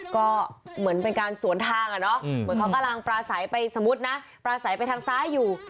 ก็เหมือนเป็นการสวนทางอะเนาะเหมือนเขากำลังปลาใสไปสมมุตินะปลาใสไปทางซ้ายอยู่